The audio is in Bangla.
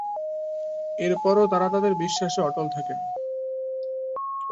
এরপরও তারা তাদের বিশ্বাসে অটল থাকেন।